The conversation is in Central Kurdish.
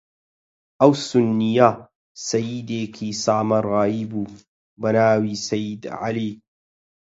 ئەو سوننییە سەییدێکی سامرایی بوو، بە ناوی سەیید عەلی